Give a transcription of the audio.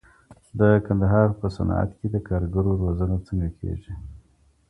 د کندهار په صنعت کي د کارګرو روزنه څنګه کېږي؟